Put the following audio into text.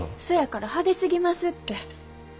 そやから派手すぎますって。